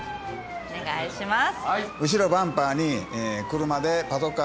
お願いします